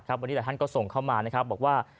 วันนี้หลายท่านก็ส่งเข้ามานะครับบอกว่า